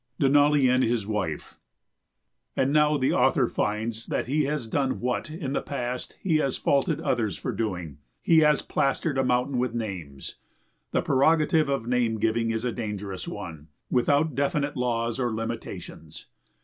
[Sidenote: Denali and His Wife] And now the author finds that he has done what, in the past, he has faulted others for doing he has plastered a mountain with names. The prerogative of name giving is a dangerous one, without definite laws or limitations.